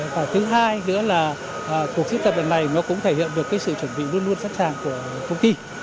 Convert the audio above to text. và thứ hai nữa là cuộc diễn tập lần này nó cũng thể hiện được cái sự chuẩn bị luôn luôn sẵn sàng của công ty